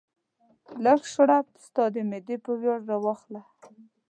لږ شراب ستا د معدې په ویاړ راواخله.